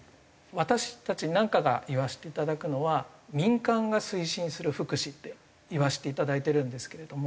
私たちなんかが言わせていただくのは民間が推進する福祉って言わせていただいてるんですけれども。